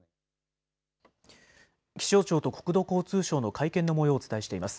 気象庁と国土交通省の会見のもようをお伝えしています。